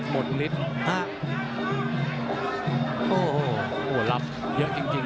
โอ้โหโอ้โหลับเยอะจริง